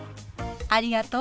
ありがとう。